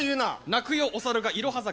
鳴くよお猿がいろは坂。